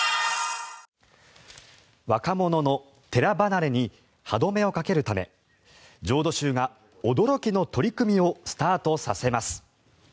若者の寺離れに歯止めをかけるため浄土宗が驚きの取り組みをスタートさせます。